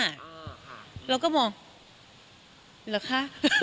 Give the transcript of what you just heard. เราก็มองเหรอคะ